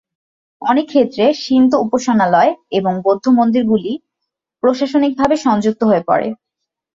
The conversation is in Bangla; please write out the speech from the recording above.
অনেক ক্ষেত্রে শিন্তো উপাসনালয় এবং বৌদ্ধ মন্দিরগুলি প্রশাসনিকভাবে সংযুক্ত হয়ে পড়ে।